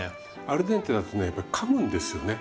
アルデンテだとねやっぱりかむんですよね。